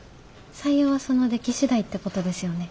採用はその出来次第ってことですよね？